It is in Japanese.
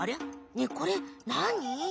ねえこれなに？